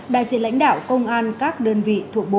đại diện lãnh đạo công an các đơn vị thuộc bộ